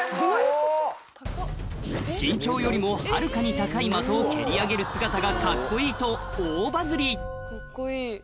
身長よりもはるかに高いマトを蹴り上げる姿がカッコいいと大バズリそうね。